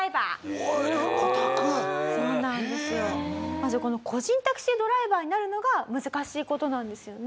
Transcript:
まずこの個人タクシードライバーになるのが難しい事なんですよね。